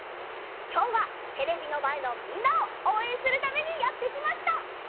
きょうはテレビのまえのみんなをおうえんするためにやってきました！